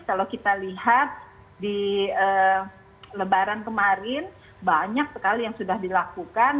kalau kita lihat di lebaran kemarin banyak sekali yang sudah dilakukan